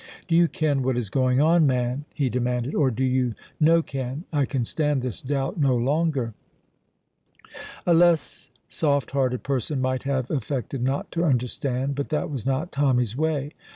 "Do you ken what is going on, man?" he demanded, "or do you no ken? I can stand this doubt no longer." A less soft hearted person might have affected not to understand, but that was not Tommy's way.